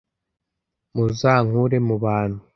muzankure mu bantu !"